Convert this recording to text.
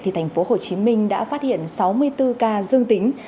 tp hcm đã phát hiện sáu mươi bốn ca dương tính